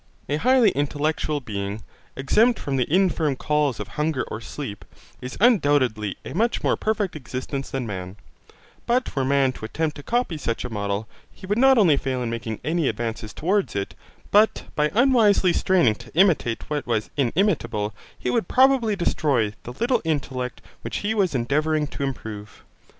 A highly intellectual being, exempt from the infirm calls of hunger or sleep, is undoubtedly a much more perfect existence than man, but were man to attempt to copy such a model, he would not only fail in making any advances towards it; but by unwisely straining to imitate what was inimitable, he would probably destroy the little intellect which he was endeavouring to improve.